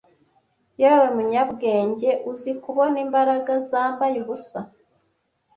yewe munyabwenge uzi kubona imbaraga zambaye ubusa